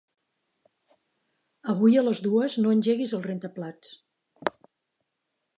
Avui a les dues no engeguis el rentaplats.